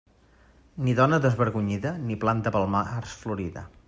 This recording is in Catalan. Ni dona desvergonyida ni planta pel març florida.